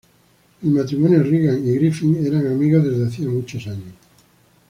El matrimonio Reagan y Griffin eran amigos desde hacía muchos años.